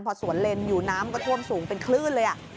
พอสวนเลนอยู่น้ำก็ท่วมสูงเป็นคลื่นเลย